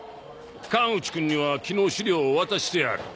川口くんには昨日資料を渡してある。